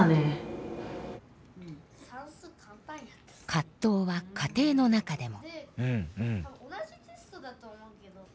葛藤は家庭の中でも。